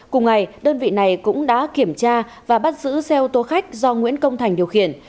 cùng ngày đơn vị này cũng đã kiểm tra và bắt giữ xe ô tô khách do nguyễn công thành điều khiển